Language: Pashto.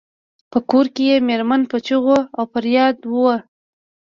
په کور کې یې میرمن په چیغو او فریاد وه.